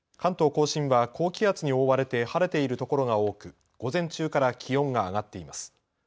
甲信は高気圧に覆われて晴れているところが多く午前中から気温が上がっています。